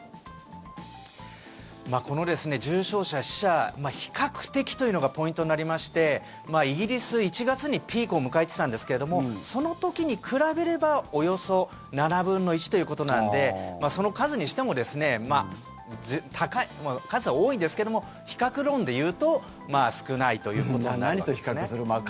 この重症者、死者比較的というのがポイントになりましてイギリス、１月にピークを迎えていたんですけれどその時に比べればおよそ７分の１ということなのでその数にしても高い数は多いんですけども比較論でいうと少ないということになるわけですね。